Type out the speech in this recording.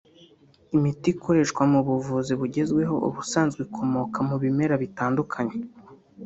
Imiti ikoreshwa mu buvuzi bugezweho ubusanzwe ikomoka mu bimera bitandukanye